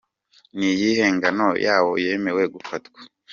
Ni iyihe ngano yawo yemewe gufatwa?.